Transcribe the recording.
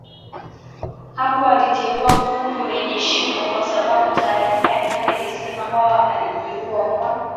Hapo aliteua fuvu lenye shimo kwa sababu taarifa ya kale ilisema Mkwawa alijiua kwa